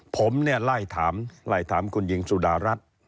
ผมเนี่ยไล่ถามไล่ถามคุณหญิงสุดารัฐ